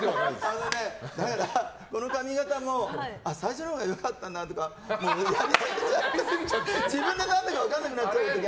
あのね、この髪形も最初のほうが良かったなとかやりすぎちゃって自分で何だか分からなくなって。